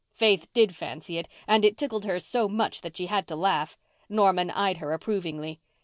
Faith did fancy it, and it tickled her so much that she had to laugh. Norman eyed her approvingly.